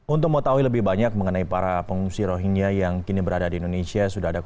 untuk mengetahui lebih banyak mengenai para pengungsi rohingya yang kini berada di indonesia